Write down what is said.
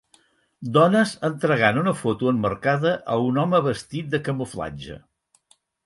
Dones entregant una foto emmarcada a un home vestit de camuflatge.